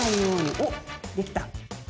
おっできた！